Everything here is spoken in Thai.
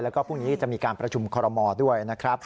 แล้วก็พรุ่งนี้ก็จะมีการประชุมคอลโลมอด้วย